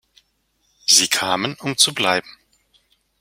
Sie kamen, um zu bleiben.